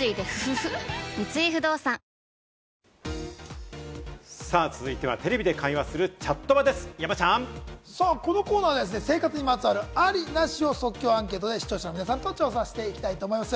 三井不動産続いては、テレビで会話するこのコーナーは生活にまつわる、あり・なしを即興アンケートで視聴者の皆さんと調査してきたいと思います。